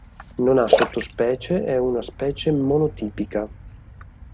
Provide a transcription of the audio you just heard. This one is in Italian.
Non ha sottospecie è una specie monotipica.